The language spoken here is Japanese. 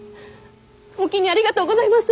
おおきにありがとうございます！